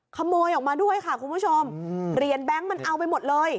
ขโมยออกมาด้วยค่ะคุณผู้ชมเหรียญแบงค์มันเอาไปหมดเลย